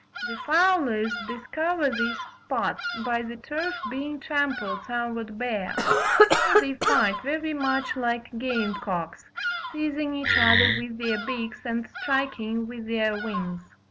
The fowlers discover these spots by the turf being trampled somewhat bare. Here they fight very much like game cocks, seizing each other with their beaks and striking with their wings.